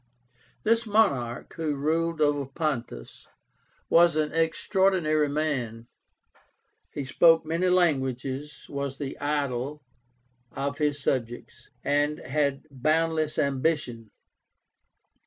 This monarch, who ruled over Pontus, was an extraordinary man. He spoke many languages, was the idol, of his subjects, and had boundless ambition.